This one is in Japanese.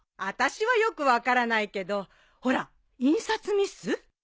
あたしはよく分からないけどほら印刷ミス？